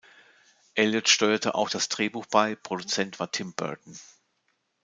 Elliott steuerte auch das Drehbuch bei, Produzent war Tim Burton.